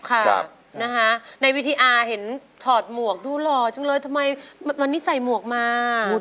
ค่ะนะคะในวิทยาเห็นถอดหมวกดูหล่อจังเลยทำไมวันนี้ใส่หมวกมา